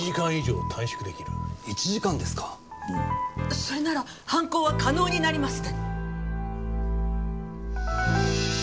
それなら犯行は可能になりますね。